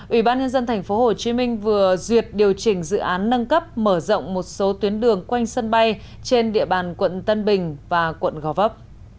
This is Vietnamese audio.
ubnd tp hcm vừa duyệt điều chỉnh dự án nâng cấp mở rộng một số tuyến đường quanh sân bay trên địa bàn quận tân bình và quận gò vấp